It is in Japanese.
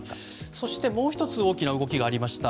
そして、もう１つ大きな動きがありました。